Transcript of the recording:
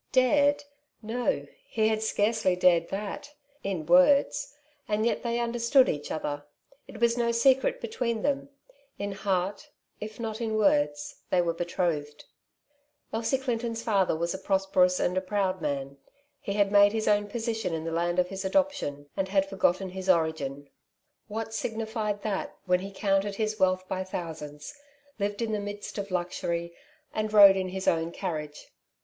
Dared ? No ; he had scarcely dared that — in words — and yet they understood each other ; it was no secret between them : in heart, if not in words, they were betrothed. Elsie Clinton's father was a prosperous and a proud man. He had made his own position in the land of his adoption, and had forgotten his origin. 1 8 " Two Sides to every Question. What signified that, when he counted his wealth by thousands, lived m the midst of luxury, and rode in his own carriage